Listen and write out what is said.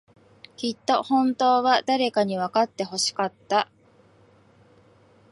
きっと、本当は、誰かにわかってほしかった。